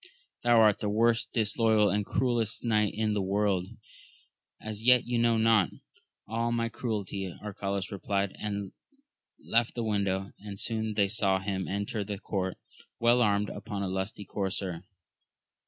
thou art the most disloyal and cruellest knight in the world ! As yet you know not all my cruelty, Arcalaus replied, and left the window ; and soon they saw him enter the court well armed, upon a lusty courser.